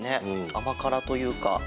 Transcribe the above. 甘辛というか。